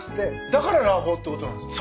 だからラーほーってことなんですか？